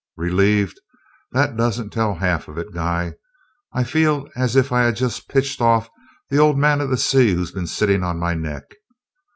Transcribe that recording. Relieved? That doesn't half tell it, guy I feel as if I had just pitched off the Old Man of the Sea who's been sitting on my neck!